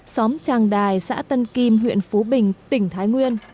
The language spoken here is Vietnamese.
xóm tràng đài xã tân kim huyện phú bình tỉnh thái nguyên